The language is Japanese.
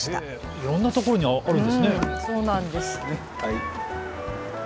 いろんなところにあるんですね。。